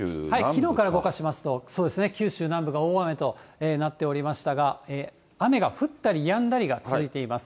きのうから動かしますと、そうですね、九州南部が大雨となっておりましたが、雨が降ったりやんだりが続いています。